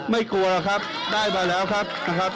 ไม่กลัวหรอกครับได้มาแล้วครับ